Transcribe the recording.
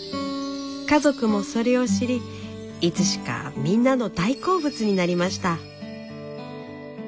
家族もそれを知りいつしかみんなの大好物になりました。